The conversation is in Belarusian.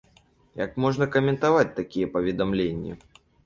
Як можна каментаваць такія паведамленні?